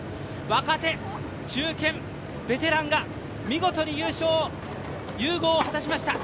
若手、中堅、ベテランが見事に融合を果たしました。